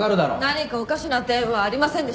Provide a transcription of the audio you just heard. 何かおかしな点はありませんでしたか？